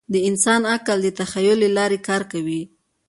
د انسان عقل د تخیل له لارې کار کوي.